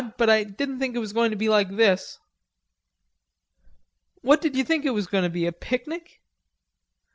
but I didn't think it was going to be like this." "What did ye think it was goin' to be, a picnic?"